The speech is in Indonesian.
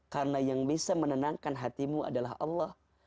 karena yang bisa menenangkan hatimu adalah allah